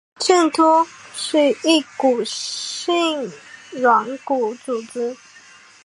剑突是一骨性软骨结构。